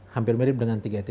hampir mirip dengan tiga tiga